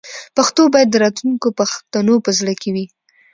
پښتو باید د راتلونکي پښتنو په زړه کې وي.